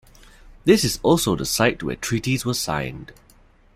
This is also the site where treaties were signed.